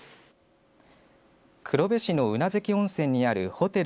黒部市の宇奈月温泉にあるホテル